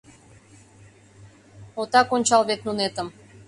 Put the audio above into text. Отак ончал вет нунетым...